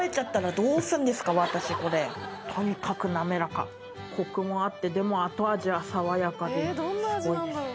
とにかく滑らかコクもあってでも後味は爽やかですごいですね。